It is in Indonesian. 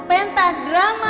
sang penguasa reja hutan